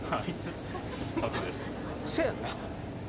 せやんな。